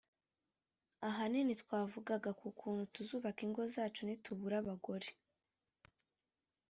ahanini twavugaga ku kuntu tuzubaka ingo zacu nituba abagore